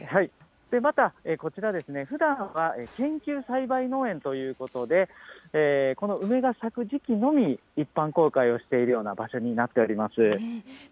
またこちら、ふだんは研究栽培農園ということで、この梅が咲く時期のみ一般公開をしているような場所になっております。